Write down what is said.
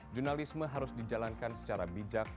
jurnalisme harus dijalankan secara bijak